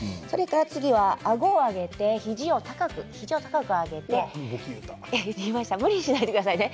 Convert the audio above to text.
次はあごを上げて肘を上げて無理しないでくださいね。